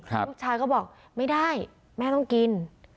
ลูกชายก็บอกไม่ได้แม่ต้องกิน